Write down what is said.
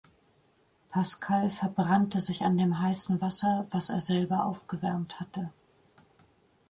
Pascal verbrannte sich an dem heißen Wasser, was er selber aufgewärmt hatte.